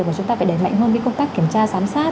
phải đẩy mạnh hơn với công tác kiểm tra giám sát